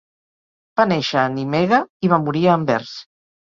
Va néixer a Nimega i va morir a Anvers.